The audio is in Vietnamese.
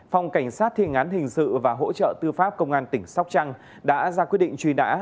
phòng cảnh sát thiên án hình sự và hỗ trợ tư pháp công an tỉnh sóc trăng đã ra quyết định truy nã